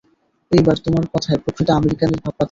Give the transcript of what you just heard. এইবার তোমার কথায় প্রকৃত আমেরিকানের ভাব পাচ্ছি।